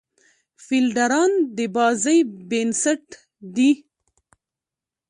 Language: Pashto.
فیلډران د بازۍ بېنسټ دي.